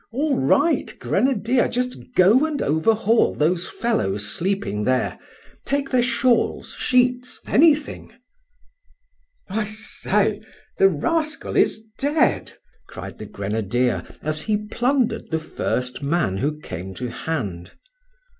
"All right, grenadier, just go and overhaul those fellows sleeping there; take their shawls, sheets, anything " "I say! the rascal is dead," cried the grenadier, as he plundered the first man who came to hand.